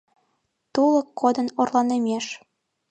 Тулык кодын орланымеш